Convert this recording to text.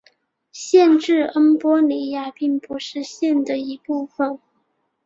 县治恩波里亚并不是县的一部分。